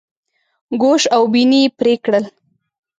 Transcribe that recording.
ګوش او بیني یې پرې کړل.